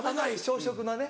小食なね